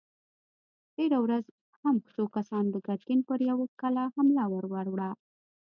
تېره ورځ هم څو کسانو د ګرګين پر يوه کلا حمله ور وړه!